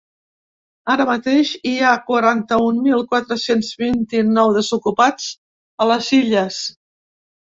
Ara mateix hi ha quaranta-un mil quatre-cents vint-i-nou desocupats a les Illes.